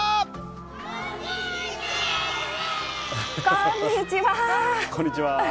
こんにちは。